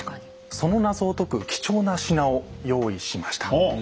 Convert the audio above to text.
その謎を解く貴重な品を用意しました。